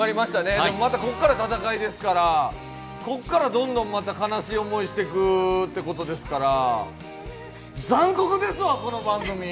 でもまたここから戦いですから、ここからどんどんまた悲しい思いをしていくということですから残酷ですわ、この番組！